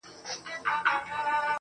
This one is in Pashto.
له هغه وخته مو خوښي ليدلې غم نه راځي.